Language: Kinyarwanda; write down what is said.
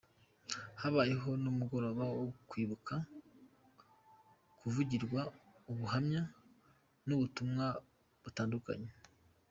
Habayeho n’umugoroba wo kwibuka, havugirwa ubuhamya, n’ubutumwa butandukanye.